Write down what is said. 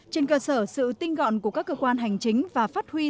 trên cơ sở sự tinh gọn của các cơ quan hành chính và phát huy